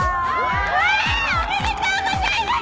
わー！おめでとうございます！